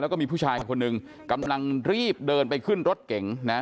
แล้วก็มีผู้ชายคนหนึ่งกำลังรีบเดินไปขึ้นรถเก๋งนะ